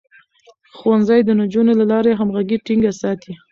ښوونځی د نجونو له لارې همغږي ټينګه ساتي.